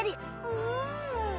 うん！